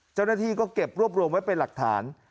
เจ้าหน้าที่ก็เก็บรวบรวมไว้เป็นหลักฐาน